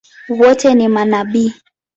Wote ni manabii?